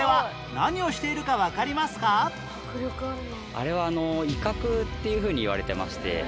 あれは威嚇っていうふうにいわれてまして。